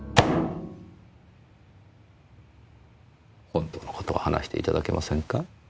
本当の事を話していただけませんか？